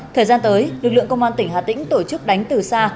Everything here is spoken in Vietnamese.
thời gian tới lực lượng công an tỉnh hà tĩnh tổ chức đánh từ xa